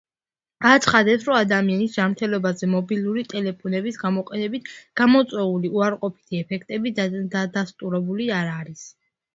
აცხადებს, რომ ადამიანის ჯანმრთელობაზე მობილური ტელეფონების გამოყენებით გამოწვეული უარყოფითი ეფექტები დადასტურებული არ არის.